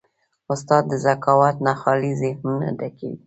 استاد د ذکاوت نه خالي ذهنونه ډکوي.